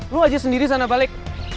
lu aja sendiri sana balik